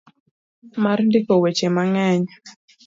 mar ndiko weche mang'eny.